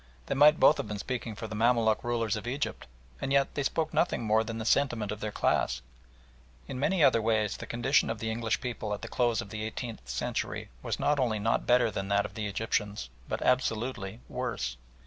they might both have been speaking for the Mamaluk rulers of Egypt, and yet they spoke nothing more than the sentiment of their class. In many other ways the condition of the English people at the close of the eighteenth century was not only not better than that of the Egyptians, but absolutely worse.